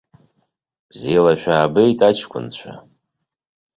Бзиала шәаабеит, аҷкәынцәа!